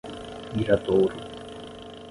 Miradouro